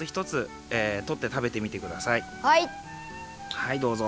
はいどうぞ。